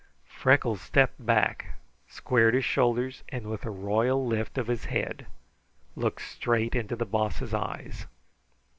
Freckles stepped back, squared his shoulders, and with a royal lift of his head looked straight into the Boss's eyes.